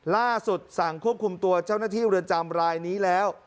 ล่าสุดสั่งควบคุมตัวเจ้าหน้าที่เรือนจำรายนี้แล้ว